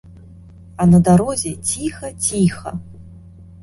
А на дарозе ціха, ціха.